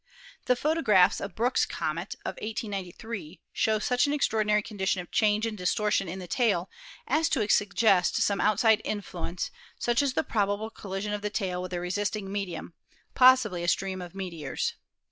The photographs of Brook's comet of 1893 showed such an extraordinary condition of change and distortion in the tail as to suggest some outside influence, such as the probable collision of the tail with a resisting medium, pos sibly a stream of meteors.